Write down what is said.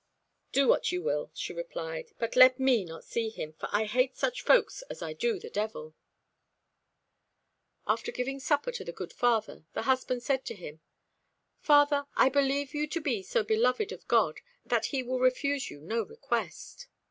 "Do what you will," she replied, "but let me not see him, for I hate such folk as I do the devil." After giving supper to the good father, the husband said to him "Father, I believe you to be so beloved of God, that He will refuse you no request.